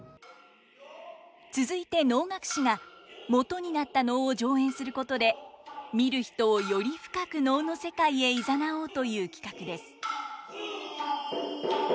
続いて能楽師がもとになった能を上演することで見る人をより深く能の世界へ誘おうという企画です。